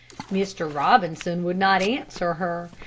Mr. Robinson would not answer her.